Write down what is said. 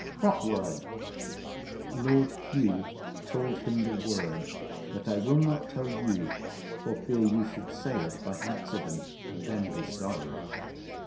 'What word?' Lord Hugh told him the word; but I will not tell you, for fear you should say it by accident and then be sorry.